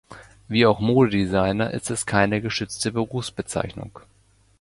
Wie auch Modedesigner ist es keine geschützte Berufsbezeichnung.